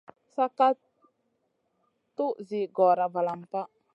San ka tuʼ zi gora valam pa.